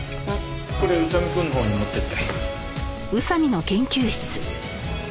これ宇佐見くんのほうに持ってって。